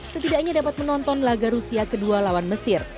setidaknya dapat menonton laga rusia kedua lawan mesir